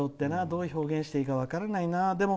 どう表現していい皮からないな。